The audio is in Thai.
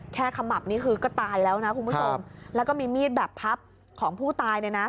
ขมับนี่คือก็ตายแล้วนะคุณผู้ชมแล้วก็มีมีดแบบพับของผู้ตายเนี่ยนะ